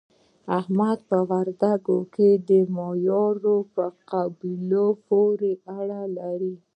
احمد په وردګو کې د مایارو په قبیله پورې اړه لري.